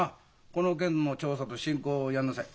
この件の調査と進行をやんなさい。